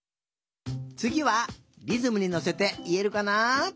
つぎはリズムにのせていえるかな？